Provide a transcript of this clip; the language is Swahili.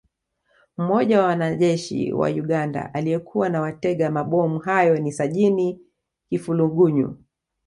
Mmoja wa wanajeshi wa Uganda aliyekuwa na watega mabomu hayo ni Sajini Kifulugunyu